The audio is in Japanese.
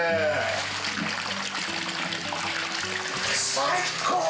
最高！